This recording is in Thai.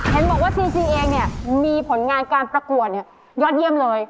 เห็นบอกว่าจริงเองเนี่ยมีผลงานการประกวดเนี่ยยอดเยี่ยมเลย